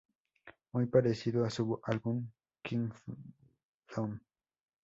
Muy parecido a su álbum "Kingdom".